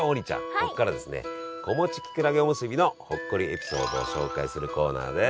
ここからですね子持ちきくらげおむすびのほっこりエピソードを紹介するコーナーです。